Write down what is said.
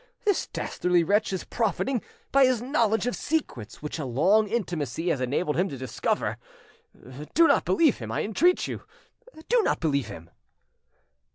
"Oh! this dastardly wretch is profiting by his knowledge of secrets which a long intimacy has enabled him to discover. Do not believe him, I entreat you, do not believe him!"